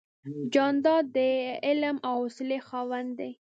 جانداد د حلم او حوصلې خاوند دی.